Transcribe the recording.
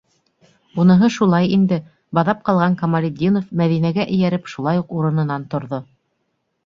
Уныһы шулай инде, - баҙап ҡалған Камалетдинов, Мәҙинәгә эйәреп, шулай уҡ урынынан торҙо.